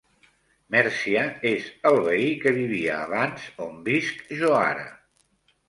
Mèrcia és el veí que vivia abans on visc jo ara.